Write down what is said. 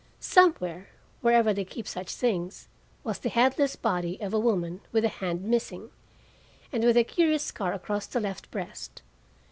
Somewhere wherever they keep such things was the headless body of a woman with a hand missing, and with a curious scar across the left breast.